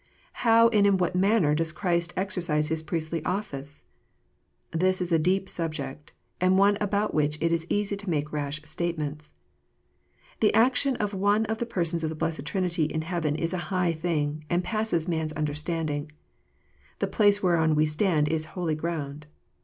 How and in what manner does Christ exercise His priestly office ? This is a deep subject, and one about which it is easy to make rash statements. The action of one of the Persons of the blessed Trinity in heaven is a high thing, and passes man s understanding. The place whereon we stand is holy ground.